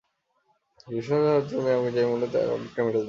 বিসর্জন হওয়ার জন্য কিন্তু তুমি তাই করো যা তোমাকে আরেকটা মেডেল এনে দেবে।